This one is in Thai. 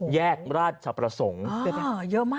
แยกราชประสงค์